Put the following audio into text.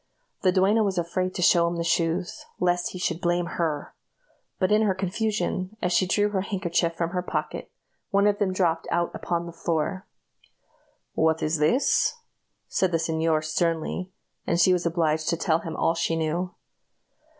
The duenna was afraid to show him the shoes, lest he should blame her; but in her confusion, as she drew her handkerchief from her pocket, one of them dropped out upon the floor. "What is this?" said the señor, sternly; and she was obliged to tell him all she knew.